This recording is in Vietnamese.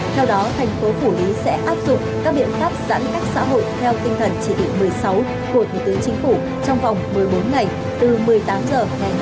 theo đó thành phố phủ lý sẽ áp dụng các biện pháp giãn cách xã hội theo tinh thần chỉ định một mươi sáu của thủ tướng chính phủ trong vòng một mươi bốn ngày từ một mươi tám h ngày một mươi